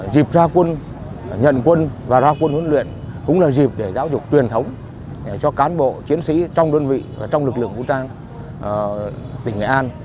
dịp ra quân nhận quân và ra quân huấn luyện cũng là dịp để giáo dục truyền thống cho cán bộ chiến sĩ trong đơn vị và trong lực lượng vũ trang tỉnh nghệ an